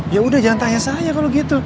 ya udah jangan tanya saya kalau gitu